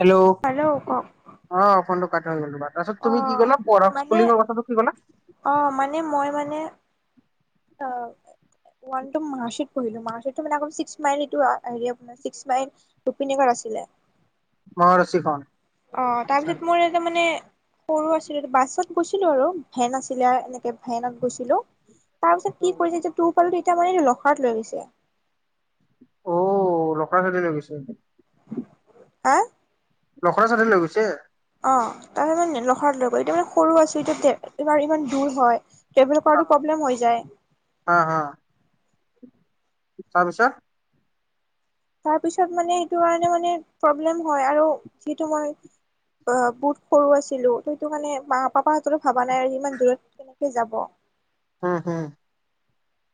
Hello hello কওক অ ফোনটো কাট হৈ গলো বা তাৰপিছত অ তুমি কি কলা পঢ় মানে স্কুলিঙৰ কথাটো কি কলা [unintelligible] অ মানে মই মানে অ মাৰটঢো মেল [unintelligible] ৰুপিনগৰ আছিলে মহাৰছি খন অ তাৰপিছত মোৰ এটা মানে সৰু আছিলোঁ বাছত গৈছিলোঁ আৰু ভেন আছিলে আৰু এনেকে ভেনত গৈছিলোঁ। তাৰপিছত কি কৰিছে যে তোৰ পালো এতিয়া মানেটো লখৰাত লৈ গৈছে অ লখৰা চাইদে লৈ গৈছে হা লখৰা চাইদে লৈ গৈছে, অ তাৰ মানে লখৰা লৈ গৈ এতিয়া মানে সৰু আছো এতিয়া এইবাৰ ইমান দূৰ হয় টেবেল কৰাটো প্ৰব্লেম হৈ যায়। অ হা। তাৰ পিছত? তাৰ পিছত মানে সেইটো কাৰণে মানে প্ৰব্লেম হয়, আৰু যিটো মই অ বহুত সৰু আছিলো, ত এইটো কাৰনে মানে মা পাপাৰ হাতৰ ভবা নাই আৰু ইমান দূৰত কেনেকে যাব। হম হু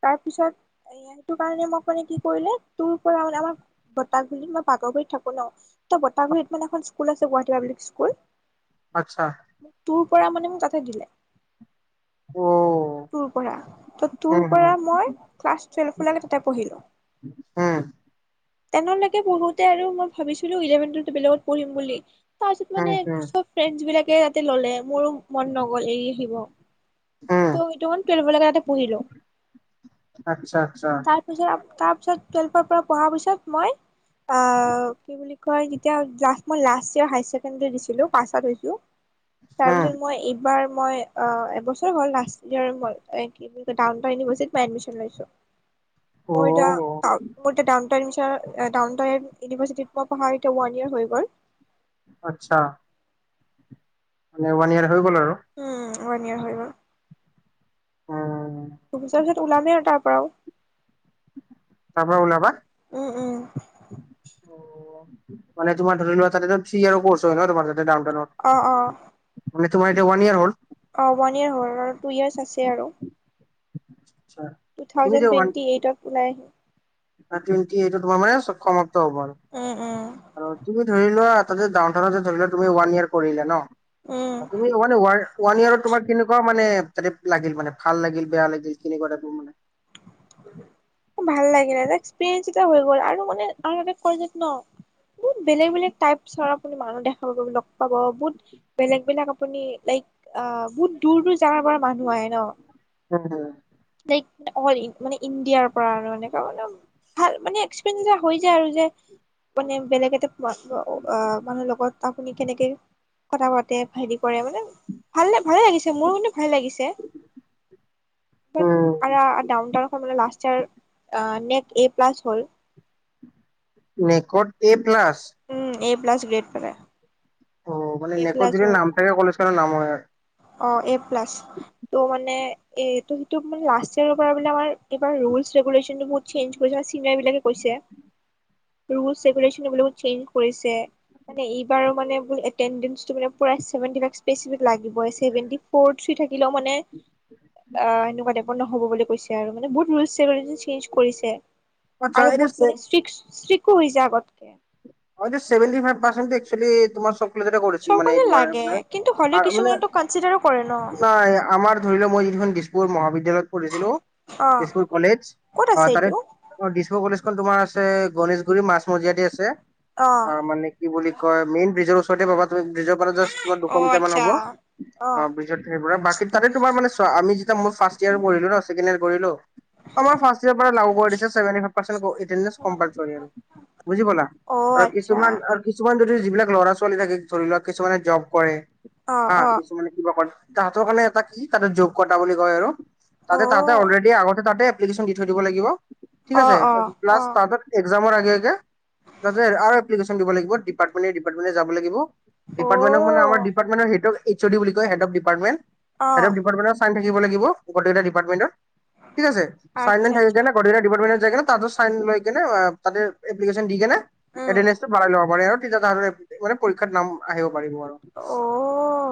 তাৰপিছত এ সেইটো কাৰণে মোক মানে কি কৰিলে তোৰ পৰা মানে আমাক বতাহ বুলি মই পাগৰ কৰি থাকো ন ত বাতাহগুৰিত মানে এখন স্কুল আছে গুৱাহাটী পাবলিক স্কুল। আচ্ছা টু পৰা মানে মোক তাতে দিলে অ টু পৰা, হম টুৰ পৰা হম মই ক্লাছ টুৱেল্ভ লৈকে তাতে পঢ়িলো। হ টেন লেকে পঢ়োতে আৰু মই ভাবিছিলোঁ ইলেভেনটো বেলেগত পঢ়িম বুলি। তাৰপিছত হম মানে হম মোৰ চব ফ্ৰেণ্ড বিলাকে তাতে ললে মোৰো মন নগল এৰি আহিব। হম ত সেইটো কাৰণে টোৱেলভৰলেকে ইয়াতে পঢ়িলোঁ আচ্ছা আচ্ছা তাৰ তাৰ পিছত টুৱেল্ভৰ পৰা পঢ়াৰ পিছত মই অ কি বুলি মই তেতিয়া লাছ মই লাষ্ট ইয়াৰ হাই ছেকেণ্ডাৰী দিছিলোঁ, পাছো হৈছোঁ। তাৰ হম পিছত মই এইবাৰ মই অ এবছৰ হল লাষ্ট ইয়েৰ মই এ কি বুলি কয় টাউনতৰ ইউনিভাৰ্চিটি মই এডমিশ্যন লৈছোঁ। অ মই এতিয়া টাউন মই এতিয়া টাউন টাউনতৰ ইভাৰ্চিটিত মই পঢ়া এতিয়া ওৱান ইয়ৰ হৈ গ'ল। আচ্ছা। মানে ওৱান ইয়েৰ হৈ গ'ল আৰু। উম ওৱান ইয়াৰ হৈ গ'ল। উম দুবছৰ পিছত উলামে আৰু তাৰ পৰাও। তাৰ পৰা ওলাবা? উম উম। অ মানে তোমাৰ ধৰি লোৱা তাতে থ্ৰী ইয়ৰৰ ক'ৰ্চ হয় ন তোমাৰ তাতে ডাউনটাউন অত, অ অ। মানে তোমাৰ এতিয়া ৱান ইয়াৰ হ'ল? অ ওৱান ইয়োৰ হল টু ইয়েৰ্চ আছে আৰু [inaudible] টু তুমি থাউজেণ্ড টুৱেটি এইটত উলাই আহিম। টুৱেটি এইটত তোমাৰ মানে সমাপ্ত হব উম উম আৰু তুমি ধৰি লোৱা তাতে ডাউন টাউনতে ধৰি লোৱা তুমি ৱান য়াৰ কৰিলা ন, উম তুমি ওৱান ইয়াৰত তোমাৰ কেনেকুৱা মানে লাগিল মানে ভাল লাগিল বেয়া লাগিল কেনেকুৱা টাইপৰ মানে। ভাল লাগিল ন এক্সপিৰিয়েঞ্চ এটা হৈ গ'ল আৰু মানে আৰু এটা [unintelligible] বহুত বেলেগ বেলেগ টাইপছৰ আপুনি মানুহ দেখা পাব লগ পাব বহুত। বেলেগ বেলেগ আপুনি লাইক আহ বহুত দূৰ দূৰ জগাৰ পৰা মানুহ আহে ন। উম হু। লাইক অ মানে ইণ্ডিয়াৰ পৰা আৰু এনেকা মানে। ভাল মানে এক্সপে হৈ যায় আৰু যে মানে বেলেগ এটা আ মানে লগত আপুনি কেনেকে কথা পাতে হেৰি কৰে মানে। ভাল ভালে লাগিছে মোৰ মানে ভাল লাগিছে। আৰা ডাউনটাউন খন মানে লাষ্ট ইয়ৰ আ নেক এ প্লাছ হল। Next A plus. Um A plus grade পালে। অ মান এ নেকট প্লাছ যদি হ'ল নাম থাকে কলেজখনৰ নাম হয়। অ এ প্লাছ। ত' মানে এ ত এইটো মে লাষ্ট ইয়ৰ পৰা আমাৰ এইবাৰ ৰুলছ ৰেগোশেচনহ চেঞ্জ কৰিছে চিনিয়ৰ বিলাকে কৈছে। [inaudible] ৰুলচ ৰেগুলেশ্যন এইবিলাক চেঞ্জ কৰিছে মানে এইবাৰো মানে ব এটেনদেঞ্চটো মানে পোৰা [unintelligible] লাগিবই, চেভেন্তি ফৌৰ থ্ৰী থাকিলেও মানে অ এনেকুৱা টাইপৰ নহ'ব বুলি কৈছে আৰু মানে বহুত ৰুলছ ৰেগুলেচন চেঞ্জ কৰিছে। আচ্ছা আৰু এইটো বহুত চে মানে স্ত্ৰীক স্ত্ৰিকো হৈছে আগতকে। হয় দিয়া চেভেন্তি ফাইভ পাৰচেন্টটো একচুৱেলী তোমাৰ সব কলেজতে কৰিছি চব মানে কাৰণে তোমাৰা লাগে মানে কিন্তু হ'লেও ছাৰ মানে কিছুমানতো কনচিডাৰো কৰে ন চাই আমাৰ ধৰি লও মই যিখন দিছপুৰ মহাবিদ্যালয়ত পঢ়িছিলো, অ দিছপুৰ কলেজ ক'ত আছে আহ তাৰে এইটো অ দিছপুৰ কলেজখন তোমাৰ আছে গণেশগুৰি মাাজমজিয়াতে আছে। অ মানে কি বুলি কয় মেইন ব্ৰিজৰ ওচৰতে পাবা তুি ব্ৰিজৰ পৰা জাষ্ট, অ দুশ মিটাৰ মান আচ্ছা হ'ব অ অ ব্ৰিজত। সেই বাকী তাতে তোমাৰ মান আমি যেতিয়া মোৰ ফাৰ্ট ইয়াৰ কৰিলো ন ছেকেণ্ড ইয়াৰ কৰিলো। [unintelligible] অ আৰু আচ্ছা কিছুমান আৰু কিছুমান যদি যিবিলাক ল'ৰা ছোৱালী থাকে ধৰি লওক কিছুমানে জব কৰে। অ আহ অ কিছুমানে কিবা ক তাহাঁতৰ কাৰণে এটা কি তাহতে যোগ কটা বুলি কয় আৰু অ তাতে তাতে অলৰেডি আগতে তাতে এপ্লিকেশ্যন দি থৈ দিব লাগিব ঠিক অ আছে অ অ প্লাছ তাহ, এক্সজামৰ আগে আগে। তই যে আৰু এপ্লিকেচন দিব লাগিব ডিপাৰটমেণ্টে ডিপাৰটমেণ্টে যাব লাগিব অ ডিপাৰটমেণ্টত মানে আমাৰ। ডিপাৰ্টমেণ্ট সেইটো এইচ অডি বুলি কয় সেইটো ডিপাৰ্টমেণ্ট অ [unintelligible] থাকিব লাগিব [unintelligible] ডিপাৰ্টমেণ্টৰ ঠিক আছে? আচ্ছা [unintelligible] থাকি আচ্ছা কেনে প্ৰতিতো ডিপাৰ্টমেণ্ট জেগাত তাতো চাইন লৈ কেনে তাতে এপ্লিকেচন দি কেনে, উম এটেডেচটো ভঢ়াই ল'ব পাৰে আৰু তেতিয়া মানে পীক্ষাৰ নাম আহিব পাৰিব আৰু অ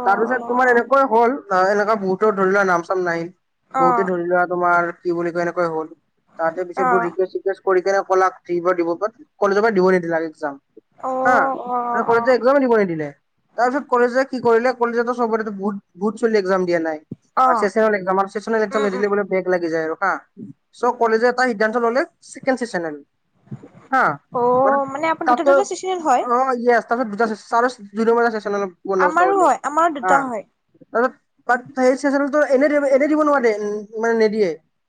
তাৰপিছত তোমাৰ এনেকৈ হ'ল। আ, এনেকুৱা বহুতৰ ধৰি লোৱা নাম-চাম নাহিল, অ অ বহুতে ধৰি লোৱা তোমাৰ কি বুলি কয় এনেকৈ হল তাহাতে পিছত বহুত ৰিকুৱেচ-চিকুৱেচ কৰি কেনে কলাক থাকিব দিব, বাত কলেজৰ পৰা দিব নিদিলাক একজাম। অ অ হা তাক অ কলেজে এক্সজামে দিব নিদিলে তাৰপিছত কলেজে। কি কৰিলে কলেজ চবৰে বুত বহুত ছোৱালী এক্সজাম দিয়া নাই অ চেচনেল এক চেচনেল এক্সাম উম নিদিলে। উম বেগ লাগি যায় আৰু হা। চব কলেজে এটা সিদ্ধান্ত ললে, চছেকেণ্ড চেচন হা, অ মানে আপোনাৰ দুটা তাতে দুটা চিজনেল হয় অ', ইয়েচ তাপিছত দুটা চ-চাৰে [unintelligible] চেচনলে বন্দবস্ত আমাৰো কৰিলে, হয় আমাৰো হা। দুটা হয় তাৰছত তাত সেই চেচনতটো এনে দিয়া নাই, এনে দিব নোৱাৰে, মানে নিদিয়ে।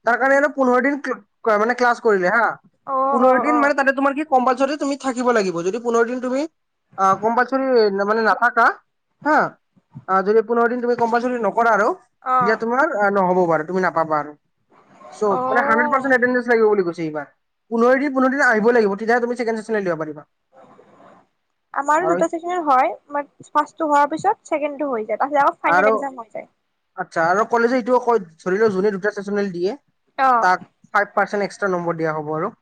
তাৰ কাৰণে আৰু পোন্ধৰ দিন ক্ল, মানে ক্লাছ কৰিলে হা, অ অ পোন্ধৰ অ দিন মানে তাতে তোমাৰ কি কম্পালচৰি তুমি থাকিব লাগিব যদি পোন্ধৰদিন তুমি আহ, কম্পালচৰি মানে নাথাকা হা আ, যদি পোন্ধৰদিন তুমি কম্পালচৰি নকৰা আৰু অ তেতিয়া তুমাৰ নহ'ব বাৰু তুমি নাপাবা আৰু। চ', অ মানে হানড্ৰেট পাৰ্চেণ্ট এটেণ্ডেন্স লাগিব‌ বুলি কৈ ছে এইবাৰ। পোন্ধৰদিন-পোন্ধৰদিনে আহিব লাগিব, তেতিয়াহে তুমি চিকেন চেচন দিব পাৰিবা। আমাৰো আৰু দুটা চেচনে হয়, ফাৰ্ষ্টটো হোৱাৰ পিছত ছেকেডটো হৈ য়ায। তাৰছত আও আৰু ফাইনেল একজাম হৈ যায়। আচ্ছা, আৰু কলেজে এইটোৱ কয়, ধৰি লোৱা যোনে দুটা চেচনেল দিয়ে, অ তাক ফাইভ পাৰ্চেট এক্সট্ৰ নম্বৰ দিয়া হব আৰু।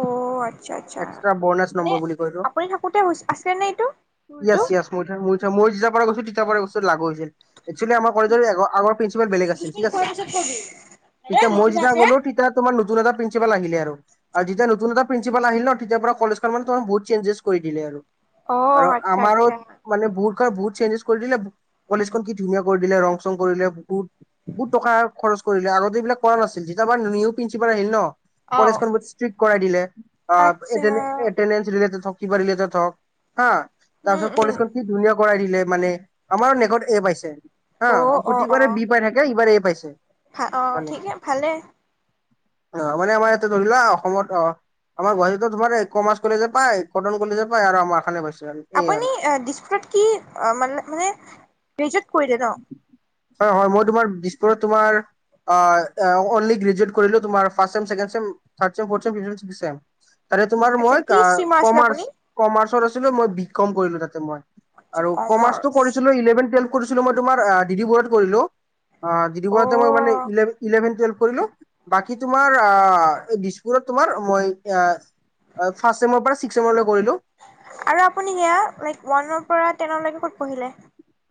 অ', আচ্ছা আচ্ছা। এক্সট্ৰা বনাছ মানে নম্বৰ বুলি কয়তো আপুনি থাকোতে হৈ আছে নে এইটো, ৰোলটো? মই থা মই থা, মই যিতিয়াৰ পৰা গৈছো তিতিয়াৰ পৰা বস্তুটো লাগু হৈছিল। একচলি আমাৰ কলেজৰ এগ-আগৰ প্ৰিন্ঞ্চিপাল বেলেগ আছিল, খিচমিচ ঠিক আছে। খোৱাৰ পিছত কবি। এ এতিয়া মই লিখিবা যিতিয়া আছে। গ'লো তিতিয়া তোমাৰ নতুন‌ এটা প্ৰন্ঞ্চিপাল আহিলে আৰু। আৰু যিতিয়া নতুন এটা প্ৰিন্ঞ্চিপাল আহি ন, তিতিয়াৰ পৰা কলেজখন মানে তোমাৰ বহুত চেঞ্জেছ কৰি দিলে আৰু। আৰু অ' আচ্ছা আমাৰো, আচ্ছা মানে বহুত খন বহুত চেঞ্জেছ কৰি দিলে। কলেজখন কি ধুনীয়া কৰি দিলে, ৰং-চং কৰি দিলে বহুত, বহুত টকা খৰচ আগতে এইবাক কৰা নাছিল, যিতিয়াৰ পৰা নিউ প্ৰিন্সিপাল আহিল ন অ' কলেজখন বহুত ষ্ট্ৰিক কৰাই দিলে। অ', আচ্ছা এটেণ্ড-এটেণ্ডেন্স ৰিলেটেত হক, কিবা ৰিলেটেত হওক, হা। উম তাৰছত উম কলেজখন কি ধুনীয়া কৰাই দিলে মানে। আমাৰো নেকত এ পাইছে হা, অ' অ' প্ৰতিবাৰে অ' বি পাই থাক কে এইবাৰ এ পাইছে। ভা, অ', মানে ঠিকে ভালে। অ', মানে আমাৰ ইয়াতে ধৰিলা, অসমত অ'। আমাৰ গুৱাহাটীতো তোমাৰ এ কমাৰ্চ কলেজে পায়, কটন কলেজে পায় আৰু আমাৰ খনে পাইছে আৰু। এই আৰু আপুনি আ দিছপুৰত কি আ মান-মানে গ্ৰেজুৱেট কৰিলে ন? হয় হয়, মই তোমাৰ দিছপুৰত তোমাৰ আ এ, অনলি গ্ৰেজুৱট কৰিলো তোমাৰ first sem, second sem third sem, fourth same [unintelligible] তাতে তোমাৰ আচ্ছা মই কি কা ষ্ট্ৰীমাৰ আছিলে আপুনি কমাৰ্চ-কমাৰ্চৰ আছিলো, মই বিকম কৰিলো তাতে মই। আচ্ছা আৰু কমাৰ্চটো কমাৰ্চ কৰিছিলো ইলেভেন টুৱেলভ কৰিছিলো মই তোমাৰ আ ডি ডি বৰুৱাত কৰিলো। আ, ডি ডি অ' বৰুৱাতে মই মানে ইলে-ইলেভেন টোৱেলভ কৰিলো। বাকী তোমাৰ আ, এ দিছপুৰত তোমাৰ মই আ আ ফাৰ্ষ্ট ছেমৰ পৰা ছিক্স ছেমৰলৈ কৰিলো। আৰু আপুনি সেইয়া লাইক ৱানৰ পৰা টেনৰলৈকে ক'ত পঢ়িলে?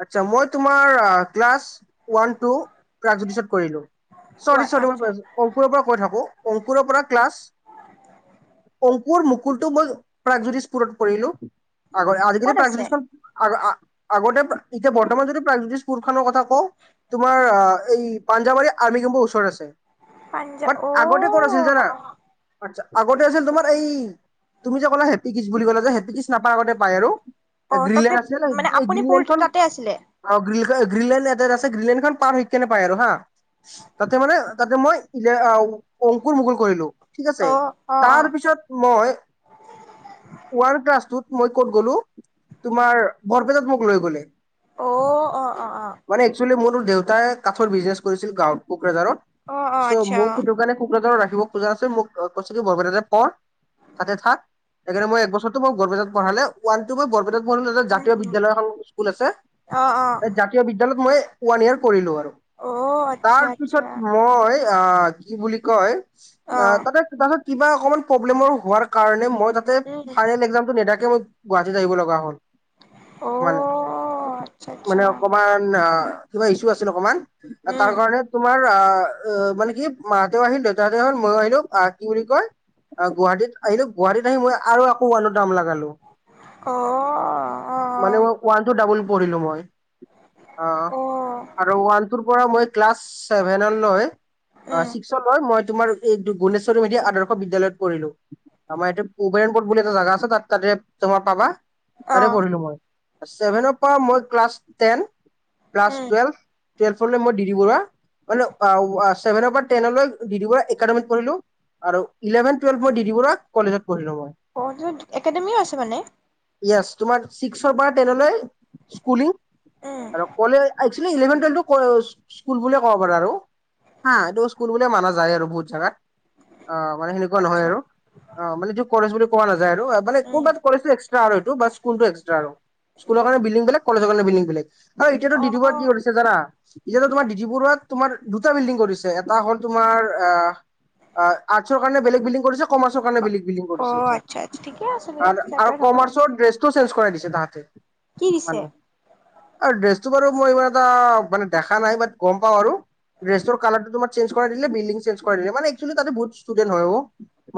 আচ্ছা, মই তোমাৰ ক্লাছ ওৱানটো প্ৰাগজ্যোতিষত কৰিলোঁ। চৰি চৰি, আচ্ছা মই অংকুৰৰ পৰা কৈ থাকো অংকুৰৰ পৰা ক্লাছ অং কোৰ মুকুলটো মই প্ৰাগজ্যোতিষ পুৰত কৰিলো, আগতে আজিকালি ক'ত আছে? প্ৰাগজ্যোতিষখন আৰু আ-আগতে এতিয়া বৰ্তমান যদি প্ৰাগ্যোতিষ পুৰখনৰ কথা কও তোমাৰ এই পাঞ্জাৱৰী আৰ্মি কেম্পৰ ওচৰত আছে। পাঞ্জাৱ বাট আগতে ক'ত আছিল অ' জানা? আচ্ছা, আগতে আছিল তোমাৰ এই তুমি যে কলা হেপি কিদজ বুলি কলা যে, হেপি কিদজ নাপা আগতে পাই আৰু, অ' তাতে গ্ৰীণলেণ্ড আছিল মানে এই আপুনি পঢ়োতে গ্ৰীণলেণ্ডখন তাতে আছিলে? অ গ্ৰী গ্ৰীললেন ইয়াতে আছে গ্ৰীললেনখন পাৰ হৈ কিনে পায় আৰু হা তাতে মানে, তাতে মই ইলে আ অংকুৰ মুকুল কৰিলো, ঠিক আছে। অ' অ' অ'। তাৰপিছত মই ওৱান ক্লাছ টুত মই ক'ত গ'লো তোমাৰ বৰপেটাত মোক লৈ গ'লে। ও ও ও অ অ অ অ। মানে একচুৱেলী মোৰোৰ দেউতাইয়ে কাঠৰ বিজনেছ কৰিছিল গাঁৱত অ' অ' কোকৰাঝাৰত। আচ্ছা চ'মোক অ'। সেইটো কাৰণে কোকৰাঝাৰত ৰাখিব খোজা নাছিল মোক কৈছে কি বৰপেটাতে পৰ। তাতে থাক সেইকাৰণে মই এক বছৰৰতো মই বৰপেটাত পঢ়ালে ওৱান-টু মই বৰপেটাত মোৰ মততে উম জাতীয় উম বিদ্যালয় এখন স্কুল আছে। অ অ। জাতীয় বিদ্যালয়ত মই ওৱান ইয়ৰ কৰিলো আৰু অ' আচ্ছা আচ্ছা। তাৰপিছত ম মই আ আ আ কি বুলি কয় আ অ'। তাতে তাৰপাছত কিবা অকমান প্ৰব্লেমৰ হোৱাৰ কাৰণে মই তাতে উম ফাইনেল এক্সামটো নেদাকে মই গুৱাহাটীত আহিব লগা হ'ল অ' মানে আচ্ছা আচ্ছা। মানে অকমান অ অ অ কিবা ইসু আছিল অকমান উম তাৰ কাৰণে তোমাৰ আহ আহ আহ অ মানে কি মাহঁতেও আহিল দেউতাহঁতে আহিল মইও আহিলো আহ কি বুলি কয় অ গুৱাহাটীত আহিলো গুৱাহাটীত আহি মই আৰু আকৌ উৱানত নাম লাগাল। অ অ অ মানে মই ওৱান-টু ডাবল পঢ়িলো মই। অ অ অ আৰু ওৱান-টুৰ পৰা মই ক্লাছ ছেভেনলৈ অ ছিক্স অ লৈ মই তোমাৰ এই গুণেশ্বৰী মেধি আদৰ্শ বিদ্যালয়ত পঢ়িলো। আমাৰ ইয়াতে উভেৰণ বোট বুলি এটা জাগা আছে তাত তাতে তোমাৰ পাবা। তাতে অ'। পঢ়িলো মই ছেভেনৰ পৰা মই ক্লাছ টেন ক্লাছ উম টুৱেলভ। তেলফৰে মই দি দিব না। মানে ওৱা ওৱা ছেভেনৰ পৰা টেনলৈ ডি ডি বৰা একাডেমিত পঢ়িলো। আৰু ইলেভেন টুৱেলভ মই ডি ডি বৰুৱা কলেজত পঢ়িলো মই। অ যত একাডেমিও আছে মানে য়েছ, তোমাৰ ছিক্সৰ পৰা টেনলৈ স্কুলিং উম। আৰু কলে আই একচুৱেলী ইলেভেন-টুৱেলভটো কোৰ্চ স্কুল বুলিয়ে ক'ব পাৰি আৰু হা, এইটো স্কুল বুলিয়ে মানা যায় আৰু বহুত জাগাত। আ আ মানে সেনেকুৱা নহয় আচ্ছা। আৰু অ মানে এইটো কলেজ বুলি কোৱা নাযায় আৰু আ মানে উম কবাত কলেজটো এক্স আৰু এইটো বাছ স্কুলটো এক্সট্ৰা আৰু স্কুলৰ কাৰণে বিল্ডিং বেলেগ কলেজৰ কাৰণে বিল্ডিং বেলেগ আৰু এতিয়াটো ডি ডি বৰুৱাত কি অ' কৰিছে। তে জানা এতিয়াতো তোমাৰ ডি ডি বৰুৱাত তোমাৰ দুটা বিল্ডিং কৰিছে এটা হ'ল তোমাৰ আহ আ আৰ্টছৰ কাৰনে বেলেগ বিল্ডিং কৰিছক। কমাৰ্চৰ কাৰণে বেলেগ বিল্ডিং কৰিছে অ' এতিয়া, আচ্ছা আচ্ছা ঠিকে আছে দিয়ক আৰু আৰু ছেপাৰেট হ'ব লাগে। কমাৰ্চৰ ড্ৰেছ চেঞ্জ কৰাই দিছে তাহাঁতে। কি দিছে? মানে আৰু ড্ৰেছটো বাৰু মই ইমান এটা মানে দেখা নাই বাট গম পাওঁ আৰু ড্ৰেছৰ কালাৰটো তোমাৰ চেঞ্জ কৰাই দিলে বিল্ডিং চেঞ্জ কৰাই দিলে মানে একচুৱেলি তাতে বহুত ষ্টুডেণ্ট হয় অ।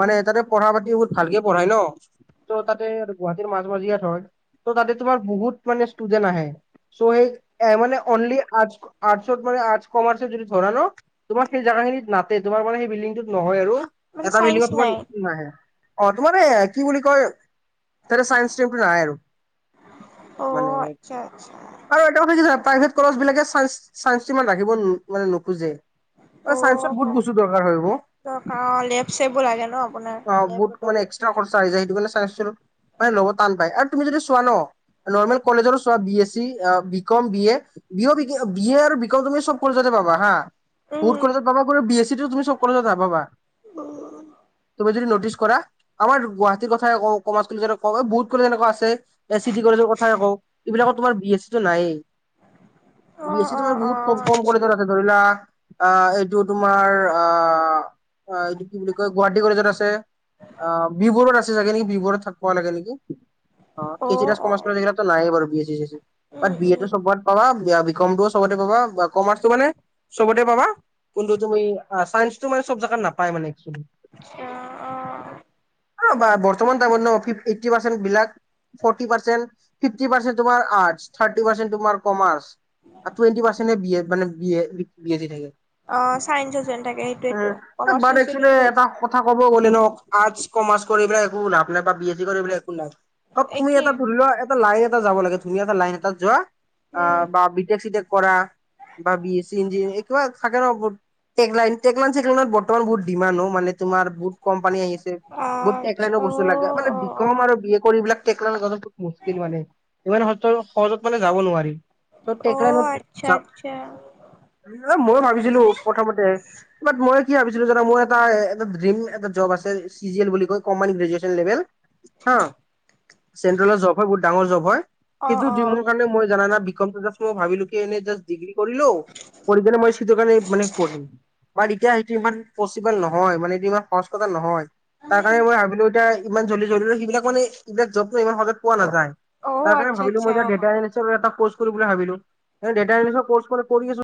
মানে তাতে পঢ়া-পাতি বহুত ভালকে পঢ়াই ন ত' তাতে আৰু গুৱাহাটীৰ মাজ-মাজিয়াত হয়। ত' তাতে তোমাৰ বহুত মানে ষ্টুডেন্ট আহে চ' সেই এ মানে অনলি আৰ্টছ ক আৰ্টছত মানে আৰ্টছ কমাৰচিয়েল যদি ধৰা ন তোমাৰ সেই জাগা খিনিত নাতে তোমাৰ মানে সেই বিল্ডিংটোত নহয় আৰু মানে এটা চাইন্স বিল্ডিংত তোমাৰ নাই নাহে। অ তোমাৰ এ কি বুলি কয় তাতে চাইন্স ষ্ট্ৰীমটো নাই আৰু অ মানে এক আচ্ছা আচ্ছা আৰু এটা কথা কি জানা প্ৰাইভেট কলেজ বিলাকে চাইন্স চাইন্সটো ইমান ৰাখিব মানে নোখোজে। অ চাইন্সত বহুত বস্তু দৰকাৰ হয় অ। ত কা লেব-চেববো লাগে ন। আপোনাৰ অ বহুত মানে লেবৰেটৰী এক্সট্ৰা খৰচা আহি যায় সেইটো কাৰণে চাইন্সটো মানে ল'ব টান পায় আৰু তুমি যদি চোৱা ন নৰ্মেল কলেজৰো চোৱা B S C B com B A বিয় বি বি এ আৰু বি কম তুমি চব কলেজতে পাবা হা উম বহুত কলেজত পাবা আকৌ বি এ চিটো তুমি চব কলেজত নাপাবা। উ উ উ উ উ উ তুমি যদি নটিছ কৰা আমাৰ গুৱাহাটীৰ কথায়ে কও কমাৰ্চ কলেজত কওঁ মানে বহুত এনেকুৱা আছে। এ চিটি কলেজৰ কথাই কও এইবিলাকত তোমাৰ বি এছ চি তো নায়েই অ বি এছ চি অ তোমাৰ অ বহুত কম আচ্ছা কলেজত আছে ধৰিলা অ এইটো তোমাৰ অ এইটো কি বুলি কয় গুৱাহাটী কলেজত আছে বিবৰুৱাত আছে চাগে নেকি বিবৰুৱাত থাকিব লাগে নেকি অ এইকেইটা কমাৰ্চ কলেজ এইকেইটাততো নাই বাৰু B S C C S C um B A um টো চবত পাবা বি কম টোও সবতে পাবা বা কমাৰ্চটো মানে চবতে পাবা কিন্তু তুমি চাইন্সটো মানে চব জেগাত নাপায় মানে একচোৱেলি অ অ এ বৰ্তমান টাইমত ন ফিফ এইতটি পাৰ্চেন্ট বিলাক ফৰ্টি পাৰ্চেণ্ট ফিফিটি পাৰ্চেণ্ট তোমাৰ আৰ্টচ থাৰ্টি পাৰ্চেণ্ট তোমাৰ কমাৰ্চ টুৱেণ্টি পাৰ্চেণ্টে বি এ মানে B A B S C থাকে অ চাইন্সত যেন থাকে সেইটোৱেতো উম, এ বাট একচুৱেলি কমাৰ্চিয়েলি এটা তুমি কথা কব গ'লে ন আৰ্টচ কমাৰ্চ কৰি পেলাই একো লাভ নাই বা বি এছ চি কৰি পেলাই একো লাভ অ তুমি একে এটা ধৰি লোৱা এটা লাইন এটা যাব লাগে তুমি এটা লাইন এটাত যোৱা উম অহ বা বিটেক চিটেক কৰা বা বি এছি ইঞ্জিয়াৰ এই কিবা থাকে ন এইবোৰ পেণ্টুলন চেণ্টুলান বৰ্তমান বহুত ডিমাণ্ড অ মানে [unintelligible] তোমাৰ বহুত কোম্পানী আহিছে বহুত টেক আচ্ছা লাইনৰ অ বস্তু লাগে মানে অ বি অ কম আৰু বি এ কৰি এইবিলাক খুব মু্স্কিল মানে ইমান স সহজত মানে যাব নোৱাৰি অ তেকলাইনত আচ্ছা চাওক আচ্ছা মই ভাবিছিলোঁ যপ্ৰথমতে বাট মই কি ভাবিছিলোঁ জানা মই এটা এটা ডিম এটা জব আছে চি জিল এল বুলি কয় কম্পানী গ্ৰেজুৱেতেল লেবেল হা চেন্ট্ৰেলৰ জব হয় বহুত ডাঙৰ জব হয় অ কিন্তু অ যি মোৰ কাৰণে মই জনাজাত বিকম জাছ মই ভাবিলোঁ কি এনে জাচ ডিগ্ৰী কৰিলো কৰি কিনে মই চিটৰ কাৰণে মানে পঢ়িলো বাট ইতিয়া এইটো ইমান পচিবল হয় মানে এইটো ইমান সহজ কথা নহয় তাৰ কাৰণে মই ভাবিলো এতিয়া ইমান জল্দি জল্দি সেইবিলাক মানে এইবিলাক জবটো ইমান সহজত পোৱা নাযায় অ তাৰ কাৰণে আচ্ছা ভাবিলো আচ্ছা মই অ দেউতাই এটা কৰ্চ কৰো বুলি ভাবিলো তাৰপিছত দেউতাই কৈছে কৰ্চ কৰি কৰি আছো